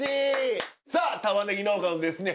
さあたまねぎ農家のですね